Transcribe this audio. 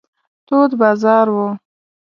تود بازار و.